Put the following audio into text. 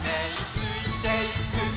ついてゆく」